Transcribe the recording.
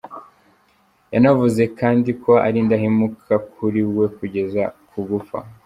Yanavuze kandi ko ari indahemuka kuri we kugeza ku gupfa.